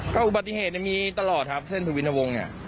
ก็อุบัติเหตุมีตลอดครับเส้นทวินวงศ์เนี่ย